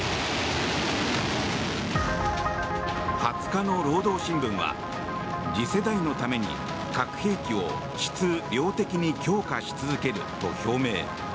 ２０日の労働新聞は次世代のために核兵器を質・量的に強化し続けると表明。